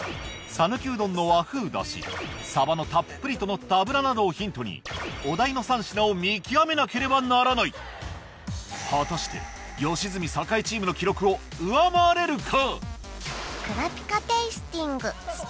讃岐うどんの和風だしサバのたっぷりとのった脂などをヒントにお題の３品を見極めなければならない果たして吉住・酒井チームの記録を上回れるか？